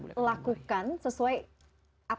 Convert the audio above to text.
jadi kita lakukan sesuai apa yang ingin kita lakukan ya